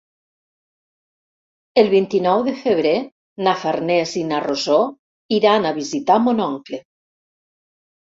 El vint-i-nou de febrer na Farners i na Rosó iran a visitar mon oncle.